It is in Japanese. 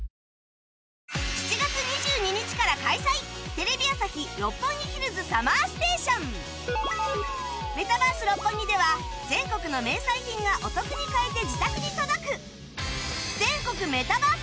テレビ朝日・六本木ヒルズ ＳＵＭＭＥＲＳＴＡＴＩＯＮメタバース六本木では全国の名産品がお得に買えて自宅に届く